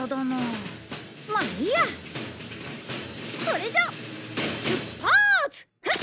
それじゃあ出発！